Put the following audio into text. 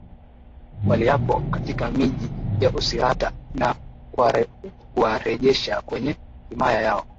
waliapo katika miji ya usirata na kuwarejesha kwenye himaya yao